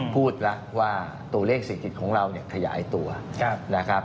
พูดแล้วว่าตัวเลขเศรษฐกิจของเราเนี่ยขยายตัวนะครับ